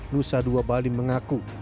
nusa dua bali mengaku